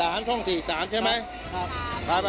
๔๓ห้อง๔๓ใช่ไหม